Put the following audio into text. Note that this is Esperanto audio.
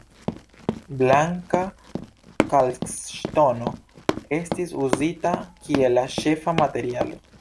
Blanka kalkŝtono estis uzita kiel la ĉefa materialo.